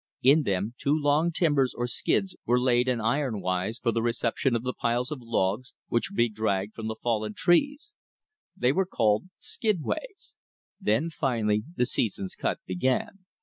In them two long timbers, or skids, were laid andiron wise for the reception of the piles of logs which would be dragged from the fallen trees. They were called skidways. Then finally the season's cut began.